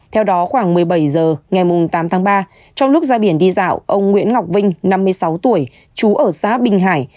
theo đó khoảng một mươi bảy h ngày tám tháng ba trong lúc ra biển đi dạo ông nguyễn ngọc vinh năm mươi sáu tuổi trú ở xã bình hải